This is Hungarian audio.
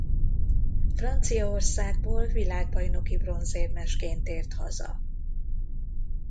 Franciaországból világbajnoki bronzérmesként tért haza.